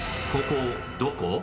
［ここどこ？］